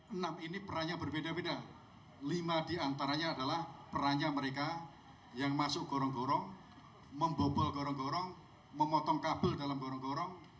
enam ini perannya berbeda beda lima diantaranya adalah perannya mereka yang masuk gorong gorong membobol gorong gorong memotong kabel dalam gorong gorong